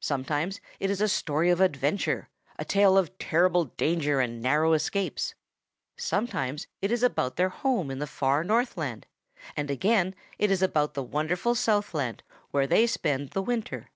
Sometimes it is a story of adventure, a tale of terrible danger and narrow escapes. Sometimes it is about their home in the far Northland, and again it is about the wonderful Southland where they spend the winter.